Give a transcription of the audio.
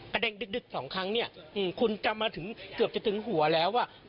เด็กดึกสองครั้งเนี่ยคุณจะมาถึงเกือบจะถึงหัวแล้ว